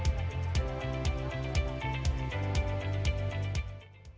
kesalahan yang terjadi ketika anda memiliki penghasilan umr yang lebih tinggi